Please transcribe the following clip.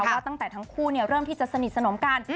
ว่าตั้งแต่ทั้งคู่เริ่มที่จะสนิทสนมกัน